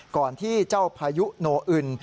ก่อนที่เจ้าพายุโนอึน